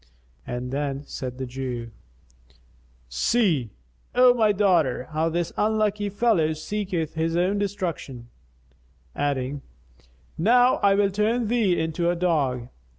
Then said the Jew, "See, O my daughter, how this unlucky fellow seeketh his own destruction," adding, "Now I will turn thee into a dog."